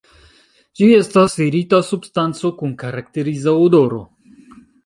Ĝi estas irita substanco kun karakteriza odoro.